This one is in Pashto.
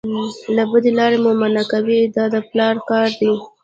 له بدې لارې مو منع کوي دا د پلار کار دی.